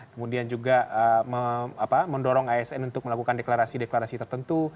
kemudian juga mendorong asn untuk melakukan deklarasi deklarasi tertentu